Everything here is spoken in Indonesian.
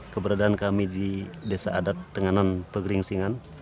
keberadaan kami di desa adat tenganan pegering singan